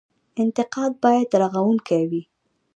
انتقاد باید رغونکی وي